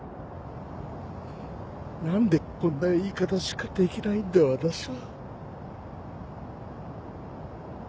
何でこんな言い方しかできないんだ私は。